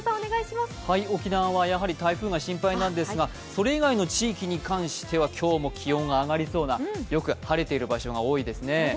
沖縄はやはり台風が心配なんですが、それ以外の地域に関しては今日も気温が上がりそうな、よく晴れている場所がおおいですね。